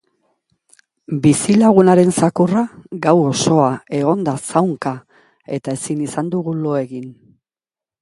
Bizilagunaren zakurra gau osoa egon da zaunka eta ezin izan dugu lo egin.